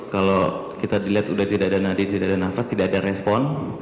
kalau kita dilihat sudah tidak ada nadi tidak ada nafas tidak ada respon